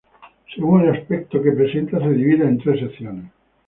Según el aspecto que presentan se dividen en tres secciones.